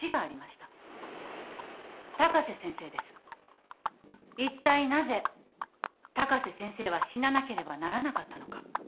いったいなぜ高瀬先生は死ななければならなかったのか。